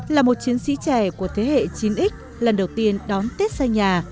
là một chiến sĩ trẻ của thế hệ chín x lần đầu tiên đón tết xay nhà